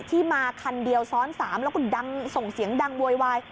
ที่มาคันเดียวซ้อน๓แล้วก็ดังส่งเสียงดังโวยวาย